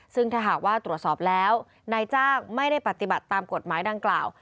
ซึ่งถ้าหากว่าตรวจสอบแล้วนายจ้างไม่ได้ปฏิบัติตามกฎหมายดังกล่าว